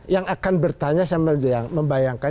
yang akan bertanya saya mau membayangkan